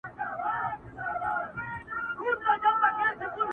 چي زه هم لکه بوډا ورته ګویا سم؛